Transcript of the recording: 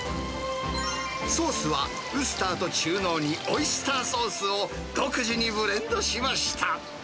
ソースは、ウスターと中濃にオイスターソースを独自にブレンドしました。